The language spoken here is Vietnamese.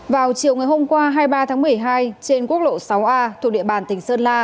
vào chiều ngày hôm qua hai mươi ba tháng một mươi hai trên quốc lộ sáu a thuộc địa bàn tỉnh sơn la